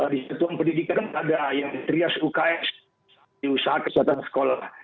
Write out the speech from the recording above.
di satuan pendidikan ada yang trias uks di usaha kesehatan sekolah